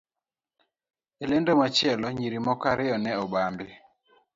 E lendo machielo, nyiri moko ariyo ne obambi,